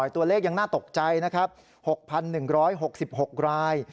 ตัวเลขยังน่าตกใจนะครับ๖๑๖๖ราย